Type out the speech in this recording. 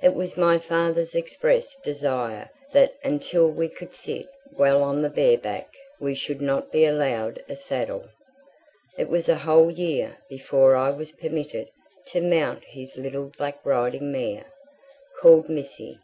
It was my father's express desire that until we could sit well on the bare back we should not be allowed a saddle. It was a whole year before I was permitted to mount his little black riding mare, called Missy.